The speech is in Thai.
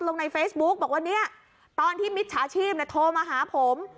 ลงในเฟซบุ๊กบอกว่าเนี่ยตอนที่มิจฉาชีพโทรมาหาผม